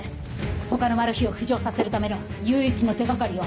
他のマル被を浮上させるための唯一の手掛かりよ！